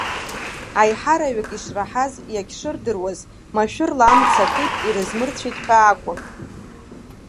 Аиҳараҩык ишраҳаз, иагьшырдыруаз, машәырла амца акит, ирызмырцәеит ҳәа акәын.